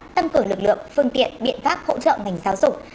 tăng cường lực lượng phương tiện biện pháp hỗ trợ ngành giáo dục